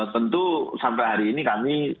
tentu sampai hari ini kami